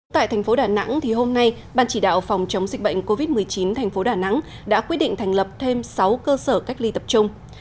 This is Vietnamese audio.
tại tp đà nẵng hôm nay ban chỉ đạo phòng chống dịch bệnh covid một mươi chín tp đà nẵng đã quyết định thành lập thêm sáu cơ sở cách ly tập trung